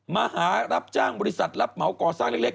มาหารับจ้างบริษัทรับเหมาก่อสร้างเล็ก